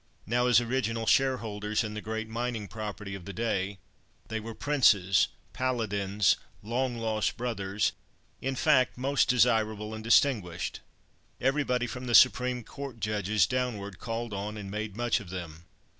Now, as original shareholders in the great mining property of the day, they were princes, paladins, long lost brothers; in fact, most desirable and distinguished. Everybody, from the Supreme Court judges downward, called on and made much of them.